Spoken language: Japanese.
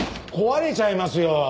壊れちゃいますよ！